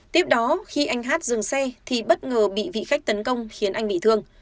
tiếp đó khi anh hát dừng xe thì bất ngờ bị vị khách tấn công khiến anh bị thương